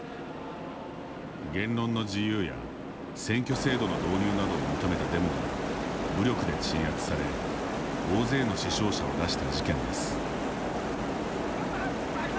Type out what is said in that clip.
言論の自由や選挙制度の導入などを求めたデモが武力で鎮圧され大勢の死傷者を出した事件です。